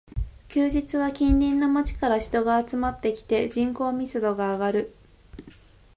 休日は近隣の街から人が集まってきて、人口密度が上がる